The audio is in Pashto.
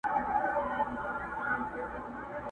زړه ته را تیري زما درنې خورکۍ!!